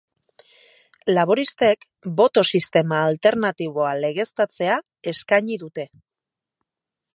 Laboristek boto sistema alternatiboa legeztatzea eskaini dute.